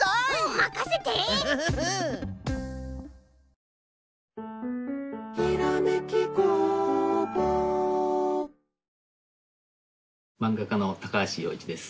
まんが家の高橋陽一です。